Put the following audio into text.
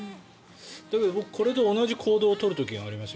だけど僕これと同じ行動を取る時があります。